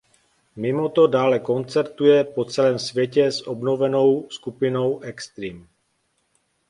Mimoto dále koncertuje po celém světě s obnovenou skupinou Extreme.